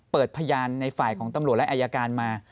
พยานในฝ่ายของตำรวจและอายการมา